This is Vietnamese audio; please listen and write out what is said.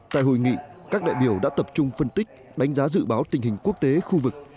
tại hội nghị các đại biểu đã tập trung phân tích đánh giá dự báo tình hình quốc tế khu vực